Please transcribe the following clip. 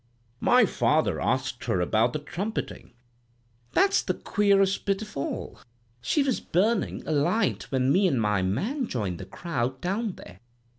"My father asked her about the trumpeting. "'That's the queerest bit of all. She was burnin' a light when me an' my man joined the crowd down there.